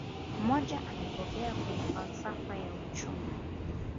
Mmoja amebobea kwenye falsafa ya uchumi